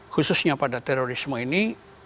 khususnya pada terorisme ini